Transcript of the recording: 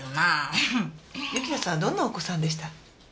由樹奈さんどんなお子さんでした？